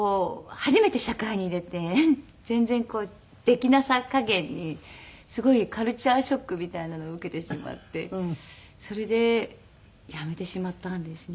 初めて社会に出て全然できなさ加減にすごいカルチャーショックみたいなのを受けてしまってそれで辞めてしまったんですね。